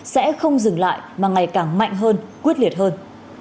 sẽ không dừng lại mà ngày càng mạnh hơn quyết liệt hơn